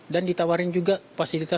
dan ditawarin juga positif